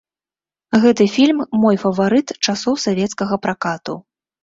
Гэты фільм мой фаварыт часоў савецкага пракату.